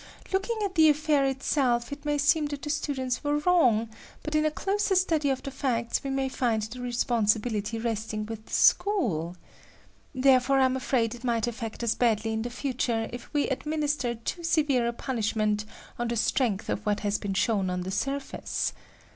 Looking at the affair itself, it may seem that the students were wrong, but in a closer study of the facts, we may find the responsibility resting with the School. Therefore, I'm afraid it might affect us badly in the future if we administer too severe a punishment on the strength of what has been shown on the surface.